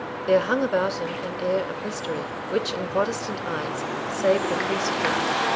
There hung about him an air of mystery, which, in Protestant eyes, savoured of priestcraft.